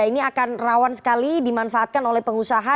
ini akan rawan sekali dimanfaatkan oleh pengusaha